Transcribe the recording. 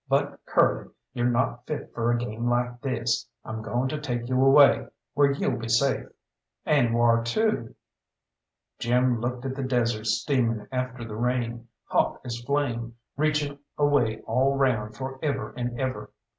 But, Curly, you're not fit for a game like this. I'm going to take you away where you'll be safe." "And whar to?" Jim looked at the desert steaming after the rain, hot as flame, reaching away all round for ever and ever.